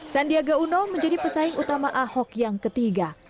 sandiaga uno menjadi pesaing utama ahok yang ketiga